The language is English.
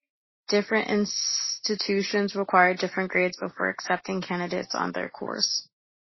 Different institutions require different grades before accepting candidates onto their course.